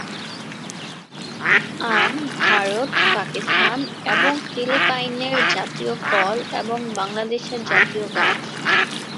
আম ভারত, পাকিস্তান এবং ফিলিপাইনের জাতীয় ফল এবং বাংলাদেশের জাতীয় গাছ।